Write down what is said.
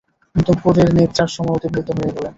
দুপুরের নিদ্রার সময় অতিবাহিত হয়ে গেল।